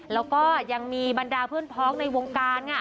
แล้วก็ยังมีบรรดาเพื่อนพ้องในวงการค่ะ